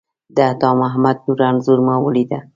د عطامحمد نور انځور مو ولیده.